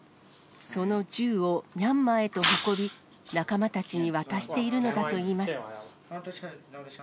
その銃をミャンマーへと運び、仲間たちに渡しているのだといいます。